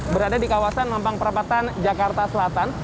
berada di kawasan mampang perapatan jakarta selatan